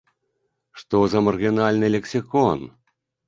Што за маргінальны лексікон!